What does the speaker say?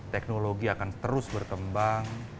teknologi akan terus berkembang